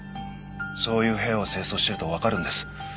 そういう部屋を清掃してるとわかるんです。